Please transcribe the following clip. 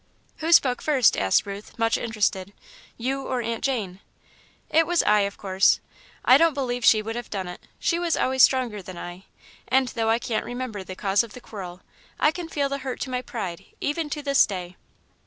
"Who spoke first," asked Ruth, much interested, "you or Aunt Jane?" "It was I, of course. I don't believe she would have done it. She was always stronger than I, and though I can't remember the cause of the quarrel, I can feel the hurt to my pride, even at this day."